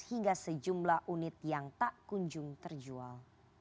hingga sejumlah unit yang tak kunjung terjual